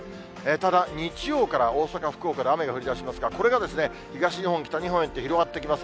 ただ、日曜から、大阪、福岡で雨が降りだしますが、これが東日本、北日本へと広がってきます。